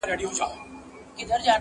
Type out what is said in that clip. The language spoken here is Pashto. چي ناڅاپه سوه پیشو دوکان ته پورته-